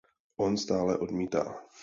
On stále odmítá.